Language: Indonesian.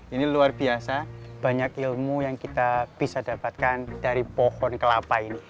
ini luar biasa banyak ilmu yang kita bisa dapatkan dari pohon kelapa ini